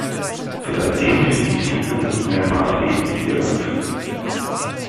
Seitdem ist die Siedlung nicht mehr maßgeblich gewachsen.